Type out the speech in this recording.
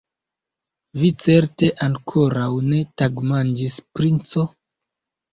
Vi certe ankoraŭ ne tagmanĝis, princo?